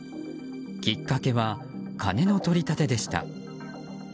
きっかけは金の取り立てでした。